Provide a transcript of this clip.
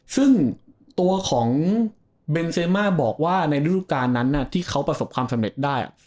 ซึ่งตัวของเบนเซมาบอกว่าในฤดูการนั้นที่เขาประสบความสำเร็จได้